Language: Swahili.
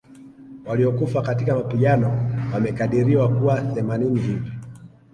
Waliokufa katika mapigano wamekadiriwa kuwa themanini hivi